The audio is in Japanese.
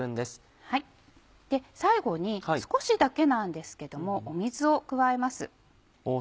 最後に少しだけなんですけども水を加えます。